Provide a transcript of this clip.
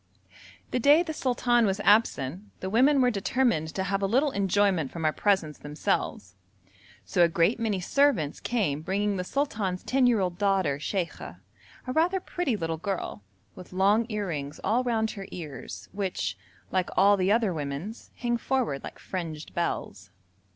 The day the sultan was absent, the women were determined to have a little enjoyment from our presence themselves, so a great many servants came bringing the sultan's ten year old daughter Sheikha, a rather pretty little girl, with long earrings all round her ears, which, like all the other women's, hang forward like fringed bells.